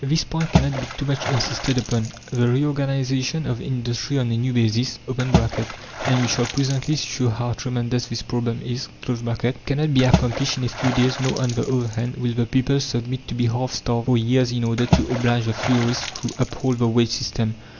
This point cannot be too much insisted upon; the reorganization of industry on a new basis (and we shall presently show how tremendous this problem is) cannot be accomplished in a few days; nor, on the other hand, will the people submit to be half starved for years in order to oblige the theorists who uphold the wage system.